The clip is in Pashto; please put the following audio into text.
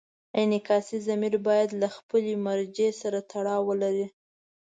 انعکاسي ضمیر باید له خپلې مرجع سره تړاو ولري.